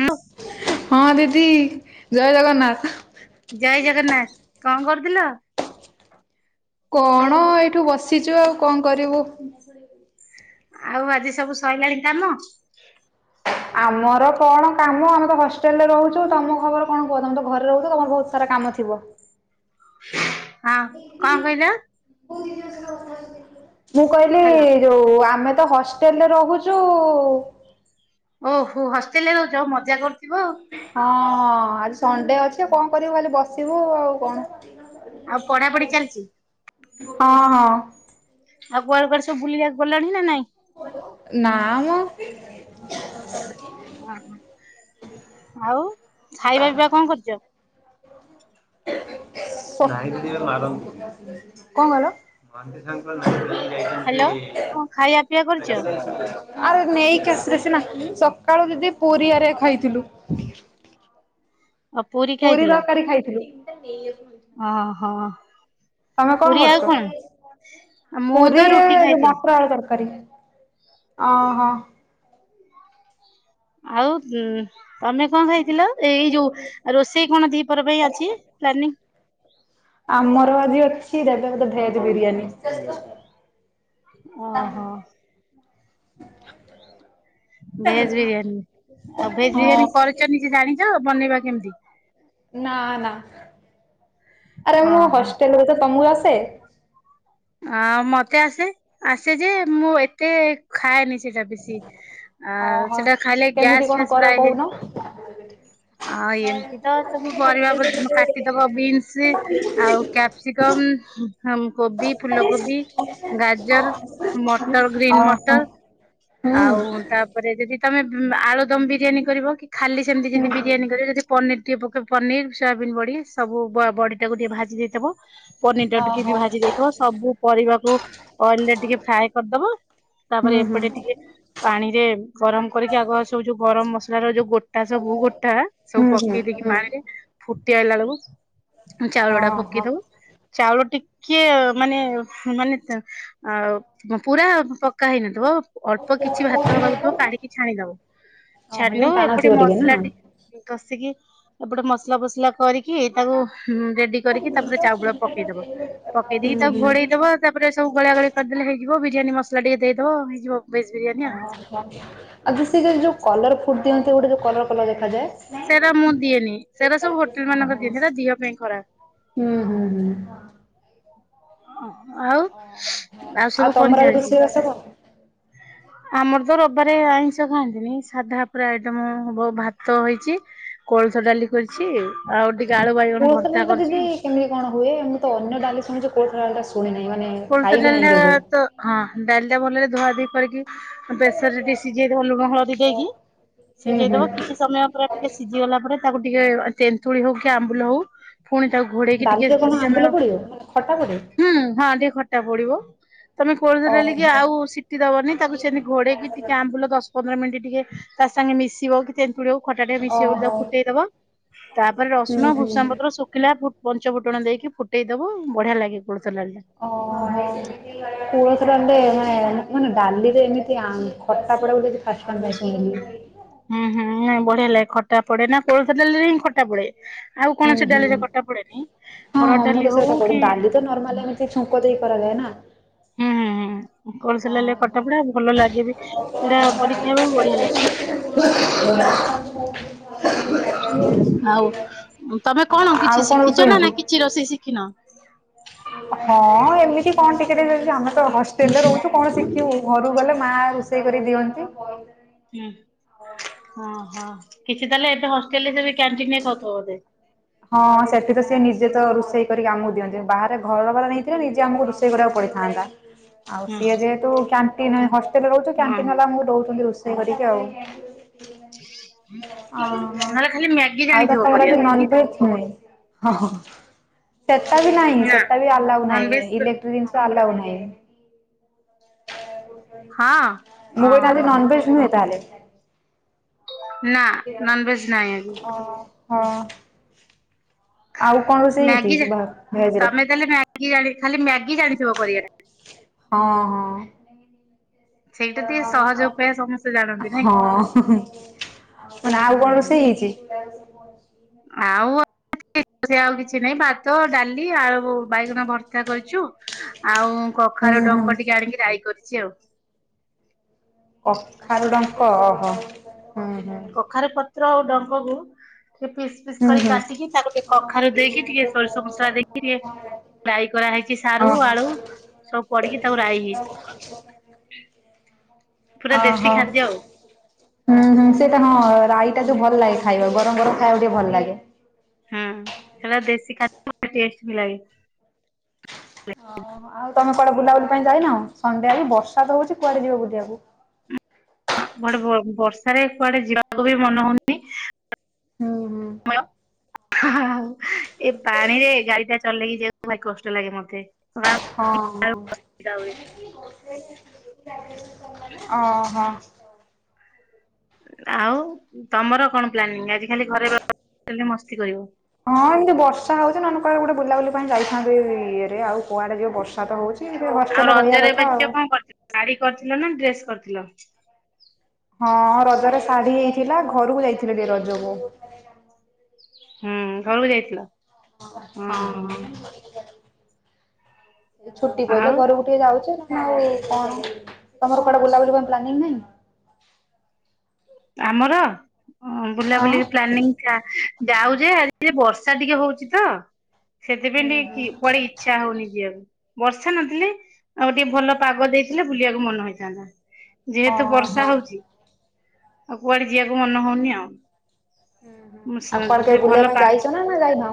ହଁ ହଁ ଦିଦି ଜୟ ଜଗନ୍ନାଥ। ଜୟ ଜଗନ୍ନାଥ। କଣ କରୁଥିଲ? କଣ ଏଇଠୁ ବସିଛୁ ଆଉ କଣ କରିବୁ? ଆଉ ଆଜି ସବୁ ସଇଲାଣି କାମ। ଆମର କଣ କାମ ଆମେ ତ ହଷ୍ଟେଲ ରେ ରହୁଛୁ ତମ ଖବର କଣ କୁହ? ତମେ ତ ଘରେ ରହୁଛ ତମର ବହୁତ ସାରା କାମ ଥିବ। ହାଁକଣ କହିଲ? ମୁଁ କହିଲି ହ୍ୟାଲୋ ଯୋଉ ଆମେ ତ ହସ ଷ୍ଟେଲ ରେ ରହୁଛୁ ଉ ଉ ଓହୋ ହଷ୍ଟେଲ ରେ ରହୁଛ ମଜା କରୁଥିବ ଆଉ। ହଁ ଅ ଆଜି ସଣ୍ଡେ ଅଛି କଣ କରିବୁ ଖାଲି ବସିବୁ ଆଉ କଣ। ଆଉ ପଢା ପଢି ଚାଲିଛି। ହଁ ହଁ। ଆଉ କୁଆଡେ କୁଆଡେ ସବୁ ବୁଲିବାକୁ ଗଲଣି ନା ନାଇଁ? ନାମ୍ ଓହୋ ଆଉ ଖାଇବା ପିଇବା କଣ କରିଛ? କଣ କହିଲ? [inaudible] ହ୍ୟାଲୋ କଣ ଖାଇବା ପିଇବା କରିଛ ଆରେ ନେଇକି ଆସିଲେ ସିନା ସକାଳୁ ଦିଦି ପୁରୀ ହେରିଆ ଖାଇଥିଲୁ। ପୁରୀ ତରକାରୀ ଖାଇଥିଲୁ। ଅ ହଁ। ତମେ କଣ କରୁଛ? ମୁଁ ପୁରୀ ତ ରୁଟି ଖାଇଥିଲି ମଟର ଆଳୁ ତରକାରୀ। ଅ ହ। ଆଉ ଉ ତମେ କଣ ଖାଇଥିଲ? ଏଇ ଯୋଉ ରୋଷେଇ କଣ ଦି ପୁର ପାଇଁ ଅଛି ପ୍ଲାନିଂ। ଆମର ଆଜି ଅଛି ଦେବେ ଦେବେ ବୋଧେ ଭେଜ ବିରିୟାନୀ। ଓହୋ। ଭେଜ ବିରିୟାନୀ ଆଉ ଭେଜ ବିରିୟାନୀ ହଁ। କରିଛ ନିଜେ ଜାଣିଛ ବନେଇବା କେମିତି? ନା ନା ଆରେ ମୁଁ ଓହୋ ହଷ୍ଟେଲରେ ତ ତମକୁ ଆସେ? ଆ ମତେ ଆସେ ଆସେ ଯେ ମୁଁ ଏତେ ଖାଏନି ସେଇଟା ବେଶି ଆ ଓହୋ। ସେଟା ଖାଇଲେ କେମିତି ଗ୍ୟାସ କଣ ଫ୍ୟାସ କର ପ୍ରାୟ ହେଇ କହୁନ? [inaudible] ଆଁ ଏମିତି ତ ସବୁ ପରିବା ପ କାଟିଦବ ବିନ୍ସ ଆଉ କ୍ୟାପ୍ସି କମ ହମ କୋବି ଫୁଲକୋବି, ଗାଜର, ହଁ ମଟର ଗ୍ରୀନ୍ ଓହୋ। ମଟର। ହୁଁ ଆଉ ତା ପରେ ଯଦି ତୋମେ ବୁଁ, ଆଳୁଦମ୍ ବିରିୟାନୀ କରିବ କି ଖାଲି ସେମିତି କି ହୁଁ ଯଦି ହୁଁ ବିରିୟାନୀ କରିବ ଯଦି ପନିର୍ ଟିକେ ପକେଇବ, ପନିର୍, ସୋୟାବିନ୍ ବଡି ସବୁ ବ-ବଡି ଟାକୁ ଟିକେ ଭାଜି ଦେଇଥିବ। ପନିର୍ ଟା କୁ ଟିକେ ବି ଓହୋ। ଭାଜି ଦେଇ ଥିବ। ସବୁ ପରିବାକୁ ଅଏଲ୍ ରେ ଟିକେ ଫ୍ରାଏ କରିଦବ, ତାପରେ ହୁଁ ହୁଁ ଏପଟେ ଟିକେ ପାଣି ରେ ଗରମ କରିକି, ଆଗ ସବୁ ଯୋଉ ଗରମ ମସଲାର ଯୋଉ ଗୋ ଟା ସବୁ ଗୋଟା ସବୁ ହୁଁ ହୁଁ ପକେଇ ଦେଇକି ହୁଁ ପାଣିରେ ଫୁଟି ଆଇଲା ବେଳକୁ ଚାଉଳ ଟା ପକେଇ ଓହୋ। ଦବ। ଚାଉଳ ଟିକିଏ ମାନେ ମାନେ ତ ଆଉ [unintelligible] ପୁରା ପକା ହେଇନଥିବ। ଅଳ୍ପ କିଛି ଭାତ ହବାକୁ ଥିବ କାଢିକି ଛାଣିଦବ। ଓହୋ ଯୋଉ ଛାଣିଦବ, ଟାଣ ଏପଟେ ଥିବ ଟିକେ ନା? ମସଲା ଟି [unintelligible] କଷିକି ଏପଟେ ମସଲା ଫସଲା କରିକି। ତାକୁ ହୁଁ, ରେଡି ଓହୋ କରିକି ତାପରେ ଚାଉଳ ପକେଇଦବ। ପକେଇ ଦେଇ ଥିବ, ତାପରେ ସବୁ ଗୋଳା ଗୋଳି କରିଦେଲେ ହେଇଯିବ ବିରିୟାନୀ, ମସଲା ଟିକେ ଦେଇଦବ ହେଇଯିବ ଭେଜ୍ ବିରିୟାନୀ ଆ,। ଆଉ ଯୋଉ ସେ ଯୋଉ କଲର୍ ଫୁଟ୍ ଦିଅନ୍ତି ଗୋଟେ ଯୋଉ କଲର୍ କଲର୍ ଦେଖାଯାଏ। ସେଇଟା ମୁଁ ଦିଏନି, ସେଇଟା ସବୁ ହୋଟେଲ୍ ଓହୋ ମାନଙ୍କର ଦିଅନ୍ତି। ସେଟା ଦିଅ ପାଇଁ ଖରା ହୁଁ, ହୁଁ, ହୁଁ। ଅଁ, ଆଉ ଆଉ ସବୁ କଣ ତମର ଆଜି ଚାଲିଚି? ରୋଷେଇବାସ [inaudible] ଆମର ତ ରବବାରେ ଆଇଁଷ ଖାଆନ୍ତିନି। ସାଧା ପୁରା ଆଇଟମ ହବ ଭାତ ହେଇଚି। କୋଳଥ ଡାଲି କରିଛି, ଆଉ ଟିକେ ଆଳୁ ବାଇଗଣ କୋଳଥ ଭର୍ତ୍ତା ଡାଲିଟା ଦିଦି କରିଚି। କେମିତି କଣ ହୁଏ? ମୁଁ ତ ଅନ୍ୟ ଡାଲି ଶୁଣିଛି କୋଳଥ ଡାଲି ଟା ଶୁଣି ନାହିଁ। ମାନେ କୋଳଥ ଖାଇବି ଡାଲିଟା ନାହିଁ କେବେ। ତ ହଁ ଡାଲିଟା ଭଲରେ ଧୁଆ ଧୋଇ କରିକି ହଁ ପ୍ରେସର୍ ରେ ଟିକେ ସିଝେଇଦବ ଲୁଣ ହଳଦୀ ଦେଇକି। ହୁଁ ହୁଁ। ସିଝେଇଦବ କିଛି ସମୟ ପୁରା ଟିକେ ସିଜି ଗଲା ପରେ ତାକୁ ଟିକେ ଏ ତେନ୍ତୁଳି ହଉ କି ଆମ୍ବୁଲ ହଉ। ପୁଣି ତାକୁ ଘୋଡେଇକି ଟିକେ ଡାଲିରେ କଣ କିଛି ସମୟ ଆମ୍ବୁଲ ହୁଁ, ପଡିବ ମାନେ ଖଟା ପଡେ? ହଁ, ଟିକେ ଖଟା ପଡିବ ତୋମେ କୋଳଥ ଡାଲିକି ଓହୋ ଆଉ ସି ଟି ଦବନି ତାକୁ ସେମିତି ଘୋଡେଇକି ଟିକେ ଆମ୍ବୁଲ ଦଶ ପନ୍ଦର ମିନିଟ୍ ଟିକେ ତା ସାଙ୍ଗେ ମିଶିବ କି ତେନ୍ତୁଳି ହଉ ଖଟା ଟେ ମିଶିବ ବୋଲି ଓହୋ ତାକୁ ଫୁଟେଇ ଦବ। ତାପରେ ହୁଁ ରସୁଣ ହୁଁ। ଭୃଷଙ୍ଗା ପତ୍ର ଶୁକିଲା ଫୁ ପଞ୍ଚ ଫୁଟଣ ଦେଇକି ଫୁଟେଇ ଦବ। ବଢିଆ ଲାଗେ କୋଳଥ ଡାଲିଟା। ଓ ହୋ, କୋଳଥ ଡାଲି ଟା ଏ ମାନେ ଏ ନା ମାନେ ଡାଲିରେ ଏମିତି ଆଁ, ଖଟା ପଡେ ଆଜି ଫାଷ୍ଟ ଟାଇମ୍ ପାଇଁ ଶୁଣିଲି। ହୁଁ, ହୁଁ, ନାଇଁ ବଢିଆ ଲାଗେ ଖଟା ପଡେ ନା କୋଳଥ ଡାଲିରେ ହିଁ ଖଟା ପଡେ। ଆଉ ହୁଁ କୌଣସି ହୁଁ। ଡାଲିରେ ଖଟା ପଡେନି ହରଡ ଡାଲି ହଉ କି ସେ ଛୁଙ୍କ ଦେଇ କରାଯାଏ ନା? ହୁଁ ହୁଁ ହୁଁ କୋଳଥ ଓ ଡାଲିରେ ଖଟା ହୋ। ପଡେ ଭଲ ଲାଗେ ବି। ସେଇଟା କରି ଖାଇବାକୁ ବଢିଆ ଲାଗିବ। [inaudible] ଆଉ ଅଁ, ତୋମେ କଣ ଆଉ କିଛି ଶିଖିଚ ରୋଷେଇ ନା ହେଇଛି? ନା କିଛି ରୋଷେଇ ଶିଖିନ? ହଁ ଏମିତି କଣ ଟିକେ ଟିକେ ଯଦି ଆମେ ତ ହଷ୍ଟେଲ୍ ରେ ରହୁଛୁ କଣ ଶିଖିବୁ। ଘରୁକୁ ଗଲେ ମା ରୋଷେଇ କରି ଦିଅନ୍ତି। ନା ହଁ, ହଁ କିଛି ତାହେଲେ ଏବେ ହଷ୍ଟେଲ୍ ରେ ସେ ବି କ୍ୟାଣ୍ଟିନ ରେ ଖାଉଥୁବ ବୋଧେ। ହଁ ସେଠି ତ ସିଏ ନିଜେ ତ ରୋଷେଇ କରିକି ଆମକୁ ଦିଅନ୍ତି। ବାହାରେ ଘର ଭଡା ନେଇଥିଲେ ନିଜେ ଆମକୁ ରୋଷେଇ କରିବାକୁ ପଡିଥାନ୍ତା। [inaudible] ଆଉ ହୁଁ ସିଏ ଯେହେତୁ କ୍ୟାଣ୍ଟିନି ହଷ୍ଟେଲ୍ ରେ ରହୁଛୁ। ହଁ କ୍ୟାଣ୍ଟିନ୍ ହଁ ବାଲା ଆମକୁ ଦଉଚନ୍ତି ରୋଷେଇ କରିକି ଆଉ। ଓ ହଁ, ନହେଲେ ଖାଲି ମ୍ୟାଗି ଆଉ ଜାଣିଥିବ [unintelligible] ନ କରିବାକୁ ନିଜେ ହେଇଛି। ନାଇଁ ହଁ, ହଁ, ସେଟା ବି ନାହିଁ, ନା ସେଟା ବି ଆଲାଉ ନାହିଁ। ନନଭେଜ ଇଲେ ଟ୍ରି ଦିନିଷ ଆଲଉ ନାହିଁ। ହଁ ମୁଁ କହିନି ଆଜି ଓହୋ ନନଭେଜ୍ ନୁହଁ ତାହାଲେ? ନା ନନଭେଜ୍ ନାହିଁ ଆଜି। ହଁ। ଆଉ କଣ ରୋଷେଇ ମ୍ୟାଗି ହେଇଛି ଭା-ଭେଜ୍ ରେ? ତମେ [unintelligible] ଖାଲି ମ୍ୟାଗି ଜାଣିଥିବ କରଟା। ହଁ ହଁ। ସେଇଟା ଟିକେ ସହଜ ଉପାୟ ସମସ୍ତେ ଜାଣନ୍ତି ନାଇଁ କି? ହଁ। କଣ ଆଉ କଣ ଓହୋ ରୋଷେଇ ହେଇଚି। ଗ ଆଉ ସେ ଆଉ କିଛି ନାଇଁ ଭାତ ଡାଲି ଆଳୁ ବାଇଗଣ ଭର୍ତା କରିଚୁ ଆଉ ହୁଁ କଖାରୁ ଡଙ୍କ ହୁଁ ଟିକେ ଆଣିକି ରାଇ କରିଚି ଆଉ। କଖାରୁ ଡଙ୍କ ଓହୋ ହୁଁ ହୁଁ। କଖାରୁ ପତ୍ର ଆଉ ଡଙ୍କକୁ ଟି ପିସ୍ ପିସ୍ ହୁଁ ପିସ୍ ହୁଁ କାଟିକି ତାକୁ ଟିକେ କଖାରୁ ଦେଇକି ଟିକେ ସୋରିଷ ମସଲା ଦେଇକି ଟିକେ ରାଇ କରାହେଇଚି ସାରୁ ଓହୋ ଆଳୁ ସବୁ ପଡିକି ତାକୁ ରାଇ ହେଇଚି। ଓ ଦେଶୀ ହୋ। ଖାଦ୍ୟ ଆଉ ହୁଁ ହୁଁ ସେଟା ହଁ ରାଇଟା ଯୋଉ ଭଲ ଲାଗେ ଖାଇବା ଗରମ ଗରମ ଖାଇବାକୁ ଟିକେ ଭଲ ଲାଗେ। ହୁଁ ସେ ଦେଶୀ ଖାଦ୍ୟ ଟେଷ୍ଟ ବି ଲାଗେ। ଓହୋ। ଆଉ ତମେ କୁଆଡ ବୁଲା ବୁଲି ପାଇଁ ଯାଇନ ସନ୍ଧ୍ୟା କୁ ବର୍ଷା ତ ହଉଚି କୁଆଡ଼େ ଯିବ ବୁଲିବାକୁ। କୁଆଡେ ବର୍ଷାରେ କୁଆଡେ ଯିବାକୁ ବି ମନ ହଉନି। ହୁଁ ହୁଁ [unintelligible] ପାଣିରେ ଗାଡି ଟା ଚଲେଇକି ଯିବାକୁ ଭାରି କଷ୍ଟ ଲାଗେ ମତେ। ହଁ ହୁଏ ହଁ ଓ ହୋ। ଆଉ ତମର କଣ ପ୍ଲାନିଂ ଆଜି ଖାଲି ଘରେ ବସିକି ମସ୍ତି କରିବ। ହଁ ଏମିତି ବର୍ଷା ହଉଚି ନହେଲେ କୁଆଡ଼େ ଗୋଟେ ବୁଲାବୁଲି ପାଇଁ ଯାଇଥାନ୍ତି ଇଏରେ ଆଉ କୁଆଡେ ଯିବୁ ବର୍ଷା [unintelligible] ତ ହଉଚି ଆଉ ହଷ୍ଟେଲରେ ରହିବା ରଜରେ ଏବେ କଥା ଝିଅ ଆଉ। କଣ କରିଥିଲ ଶାଢୀ କରିଥିଲ ନା ଡ୍ରେସ୍ କରିଥିଲ। ହଁ ରଜରେ ଶାଢୀ ହେଇଥିଲା ଘରକୁ ଯାଇଥିଲି ଟିକେ ରଜକୁ। ହୁଁ ଘରକୁ ଯାଇଥିଲ। ହଁ ହଁ। ଛୁଟି ପଇଲେ ଆଉ ଘରକୁ ଟିକେ ଯାଉଚି ନହେଲେ ଆଉ କଣ ତମର କୁଆଡେ ବୁଲାବୁଲି ପାଇଁ ପ୍ଲାନିଂ ନାହିଁ। ଆମର ହଁ। ବୁଲାବୁଲି ପ୍ଲାନିଂ ଯାଉ ଯେ ଆଜି ବର୍ଷା ଟିକେ ହଉଚି ତ ସେଥିପାଇଁ ହୁଁ ଟିକେ ହୁଁ। କୁଆଡ଼େ ଇଛା ହଉନି ଯିିବାକୁ। ବର୍ଷା ନଥିଲେ ଆଉ ଟିକେ ଭଲ ପାଗ ଦେଇଥିଲେ ବୁଲିବାକୁ ମନ ହେଇଥାନ୍ତା। ଯେହେତୁ ଓହୋ ବର୍ଷା ହଉଚି ଆଉ କୁଆଡେ ଯିବାକୁ ମନ ହଉନି ଆଉ। ଆଉ କୁଆଡ଼େ କେବେ ଭଲ ବୁଲିବାକୁ ପାଗ ଯାଇଚ ନା ଯାଇନ।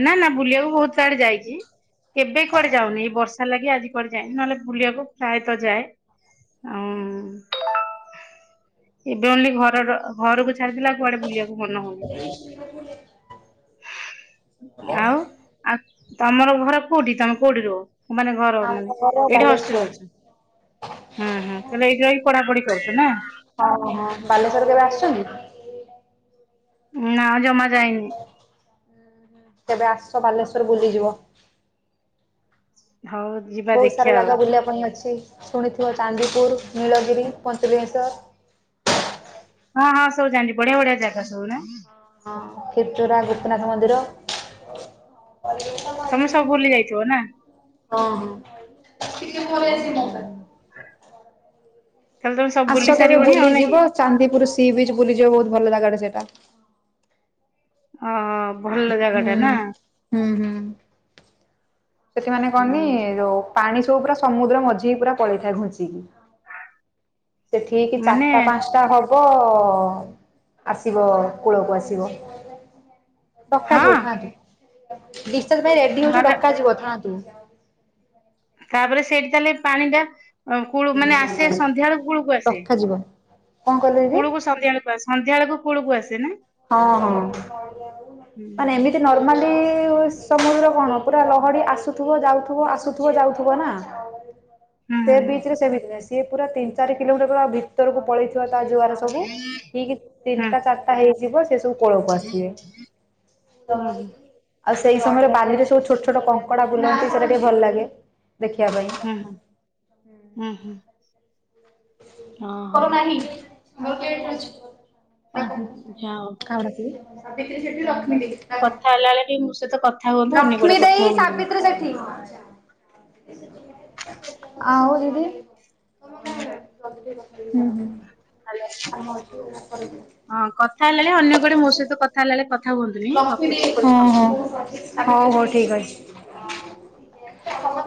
ନା ନା ବୁଲିବାକୁ ବହୁତ ଆଡେ ଯାଇଚିଏବେ କୁଆଡେ ଯାଉନି ଏଇ ବର୍ଷା ହେଲାକି ଆଜି କୁଆଡ଼େ ଯାଏନି ନହେଲେ ବୁଲିବାକୁ ପ୍ରାୟତ ଯାଏ। ଆଉ [inaudible] ଏବେ ଓଁଲି ଘରର ଘରକୁ ଛାଡିଦେଲେ କୁଆଡେ ବୁଲିବାକୁ ମନ ହଉନି ଆଉ। ଆଉ ତମର ଘର କୋଉଠି ତମେ କୋଉଠି ରୁହ ମାନେ ଘର ମାନେ ଆମ ଘର ଏଇଠି ହଷ୍ଟେଲ ବାଲେଶ୍ଵର ଅଛି। ହୁଁ ହୁଁ ତାହଲେ ଏଇଠି ରହିକି ପଢାପଢି କରୁଛ ନା ହଁ ହଁ ବାଲେଶ୍ୱର କେବେ ଆସିଚନ୍ତି। ନା ଜମା ଯାଇନି। କେବେ ଆସ ବାଲେଶ୍ଵର ବୁଲିଯିବ। ହଉ। ଯିବା ବହୁତ ସାରା ଦେଖିବା ଆଉ। ଜାଗା ବୁଲିବା ପାଇଁ ଅଛି ଶୁଣିଥିବ ଚାନ୍ଦିପୁର ନୀଳଗିରି ପଞ୍ଚେଲିଙ୍ଗେଶ୍ୱର୍। ହଁ ହଁ ସବୁ ଜାଣିଚି ବଢିଆ ବଢିଆ ଜାଗା ସବୁ ନା। ହଁ କ୍ଷୀରଚରା ଗୋପୀନାଥ ମନ୍ଦିର। ତମେ ସବୁ ବୁଲି ଯାଇଥିବ ନା? [unintelligible] ତାହେଲେ ତମେ ସବୁ ବୁଲି ଆସ କେବେ ସାରିବଣି ଆଉ ନାଇଁ କି? ବୁଲିଯିବ ଚାନ୍ଦିପୁର ସି ବିଚ ବୁଲିଯିବ ବୋହୁତ ଭଲ ଜାଗାଟେ ସେଟା। ହଁ ହଉ ହୁଁ ହୁଁ ହୁଁ ସେଠି ମାନେ କଣ ହୁଁ କି ଯିବା ଯୋଉ ପାଣି ସବୁ ପୁରା ସମୁଦ୍ର ମଝିିକି ପୁରା ପଳେଇଥାଏ ଘୁଞ୍ଚିକି ସେଠିକି କି ମାନେ ଚାରିଟା ପାଞ୍ଚଟା ତା ହବ ଆସିବ କୂଳକୁ ଆସିବ ଡକା ହଁ ଯିବ ଥାଆନ୍ତୁ [unintelligible] ପାଇଁ ରେଡି ହୋଉଚୁ ନହେଲେ ଡକାଯିବ ଥାଆନ୍ତୁ ତାପରେ ସେଇଠି ଖାଲି ପାଣିଟା କୂଳ ମାନେ ଆସେ ସନ୍ଧ୍ୟା ବେଳ କୂଳକୁ ଆସେ। ଡକାଯିବ କଣ କହିଲେ ଦିଦି କୂଳକୁ ସନ୍ଧ୍ୟା ବେଳକୁ ଆସେ ସନ୍ଧ୍ୟା ବେଳକୁ କୂଳକୁ ଆସେ ନା? ହଁ ହଁ। ହୁଁ ମାନେ ଏମିତି ନର୍ମାଲି ସମୁଦ୍ର କଣ ପୁରା ଲହଡ଼ି ଆସୁଥିବ ଯାଉଥିବ ଆସୁଥିବ ଯାଉଥିବ ନା। ସେ ବି ସିଏ ପୁରା ତିନି ଚାରି କିଲୋମିଟର ଭିତରକୁ ପଳେଇଥିବ ତା ଜୁଆର ସବୁ ଠିକ ହୁଁ। ତିନିଟା ଚାରିଟା ହେଇଯିବ ସେ ସବୁ କୋଳକୁ ଆସିବେ ହୁଁ ହୁଁ ଆଉ ସେଇ ସମୟରେ ବାଲିରେ ସବୁ ଛୋଟ ଛୋଟ କଙ୍କଡା ବୁଲନ୍ତି ସେଇଟା ଟିକେ ଭଲ ଲାଗେ ଦେଖିବା ପାଇଁ ହୁଁ ହଁ ହୁଁ ହୁଁ। ଓ ହୋ କରୁ ନାହିଁ [unintelligible] ଯା ହଉ। [unintelligible] ସେଠି ରଖମି କଥା ହେଲା ବେଳେ ବି ମୋ ସହିତ କଥା ହୁଅନ୍ତୁ ଅନ୍ୟ କୁଆଡେ ଲକ୍ଷ୍ମୀ କଥା ଦେଈ ହୁଅନ୍ତୁନି। ସାବିତ୍ରୀ ସେଠୀ ଆ ହଦି ହୁଁ ହୁଁ ଆ ହଁ କଥା ହେଲାଣି ଅନ୍ୟ କୁଡେ ମୋ ସହିତ କଥା ହେଲା ବ ଲକ୍ଷ୍ମୀ ହଁ ହଁ ହଉ ହଉ ଠିକ ଅଛି।